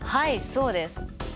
そうです。